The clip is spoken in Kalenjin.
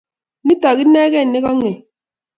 Nitok inekey ne kang'et